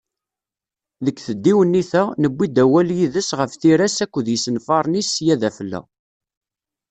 Deg tdiwennit-a, newwi-d awal yid-s ɣef tira-s akked yisenfaren-is sya d afella.